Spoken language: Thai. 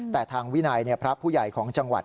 แต่ทางวินัยพระผู้ใหญ่ของจังหวัด